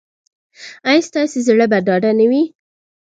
ایا ستاسو زړه به ډاډه نه وي؟